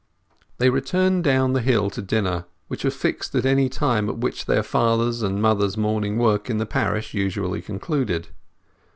They returned down the hill to dinner, which was fixed at any time at which their father's and mother's morning work in the parish usually concluded.